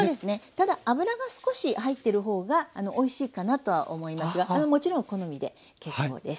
ただ脂が少し入ってる方がおいしいかなとは思いますがもちろん好みで結構です。